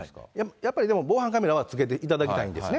やっぱりでも、防犯カメラはつけていただきたいんですね。